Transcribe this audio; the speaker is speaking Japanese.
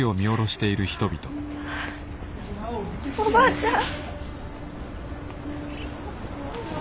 おばあちゃん。